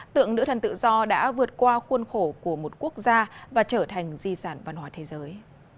tượng nữ thần tự do đã vượt qua khuôn khổ của một quốc gia và trở thành di sản văn hóa thế giới